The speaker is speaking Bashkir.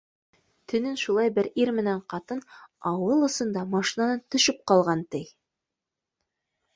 Төнөн шулай бер ир менән ҡатын ауыл осонда машинанан төшөп ҡалған, ти.